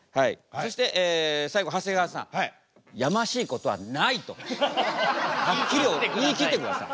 そして最後長谷川さん「やましいことはない」とはっきり言い切ってください。